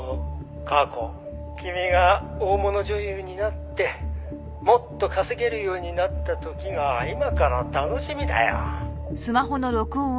「君が大物女優になってもっと稼げるようになった時が今から楽しみだよ」